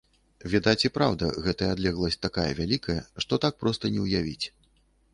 Відаць, і праўда, гэтая адлегласць такая вялікая, што так проста не ўявіць.